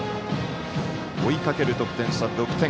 追いかける得点差、６点。